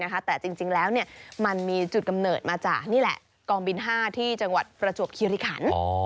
แต่จริงแล้วมันมีจุดกำเนิดมาจากนี่แหละกองบิน๕ที่จังหวัดประจวบคิริขัน